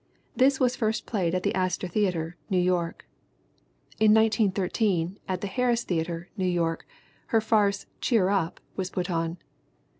This was first played at the Astor Theater, New York. In 1913, at the Harris Theater, New York, her farce Cheer Up was put on.